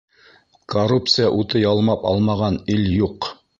Коррупция уты ялмап алмаған ил юҡ.